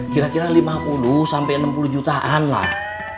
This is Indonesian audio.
kira kira lima puluh sampai enam puluh jutaan lah